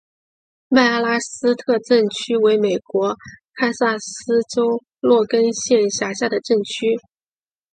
麦阿拉斯特镇区为美国堪萨斯州洛根县辖下的镇区。